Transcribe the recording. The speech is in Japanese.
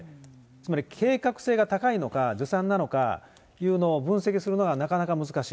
つまり計画性が高いのか、ずさんなのかというのを分析するのはなかなか難しい。